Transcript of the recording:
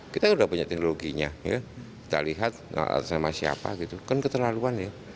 kita sudah punya teknologinya kita lihat sama siapa gitu kan keterlaluan ya